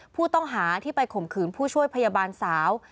ผู้ต้องหาที่ไปข่มขืนผู้ช่วยพยาบาลสาว